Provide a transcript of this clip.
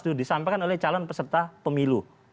itu disampaikan oleh calon peserta pemilu